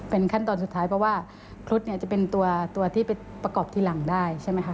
เป็นขั้นตอนสุดท้ายเพราะว่าครุฑจะเป็นตัวที่ไปประกอบทีหลังได้